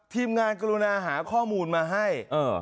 ทีมงานกรุณาหาข้อมูลมาให้